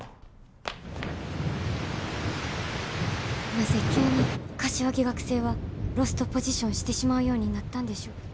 なぜ急に柏木学生はロストポジションしてしまうようになったんでしょう。